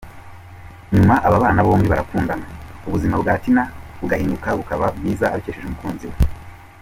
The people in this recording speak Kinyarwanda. Nyuma aba bana bombi barakundana, ubuzima bwa Tina bugahinduka bukaba bwiza abikesheje umukunzi we.